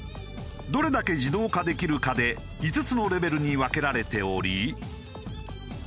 どれだけ自動化できるかで５つのレベルに分けられており。